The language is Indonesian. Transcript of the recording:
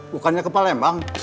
bukannya ke palembang